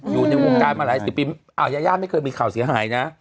อยู่ในวงการมาหลายสิบปีอ้าวยายาไม่เคยมีข่าวเสียหายนะ